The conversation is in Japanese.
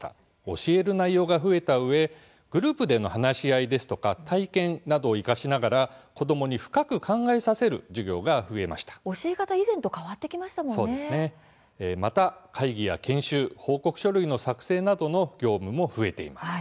教える内容が増えたうえグループでの話し合いですとか体験などを生かしながら子どもに深く考えさせる授業が教え方は以前とまた会議や研修報告書類の作成などの業務も増えています。